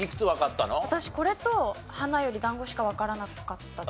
私これと花より団子しかわからなかったですね。